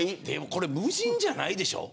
これ無人じゃないでしょう。